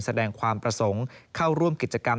แสดงความประสงค์เข้าร่วมกิจกรรม